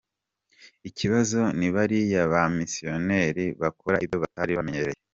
Ikibazo ni bariya bamisiyoneri bakora ibyo batari bamenyereye.